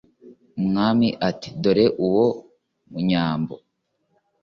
Umwami ati Dore uwo Munyambo